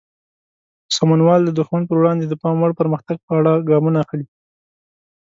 سمونوال د دښمن پر وړاندې د پام وړ پرمختګ په اړه ګامونه اخلي.